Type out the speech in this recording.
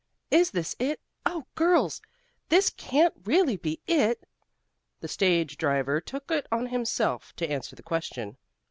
"Is this it? Oh, girls, this can't really be it!" The stage driver took it on himself to answer the question.